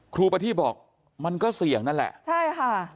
ประทีบบอกมันก็เสี่ยงนั่นแหละใช่ค่ะ